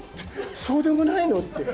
そうでもないの？って。